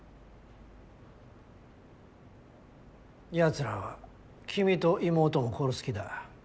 奴らは君と妹も殺す気だ。